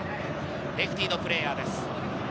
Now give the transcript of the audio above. レフティのプレーヤーです。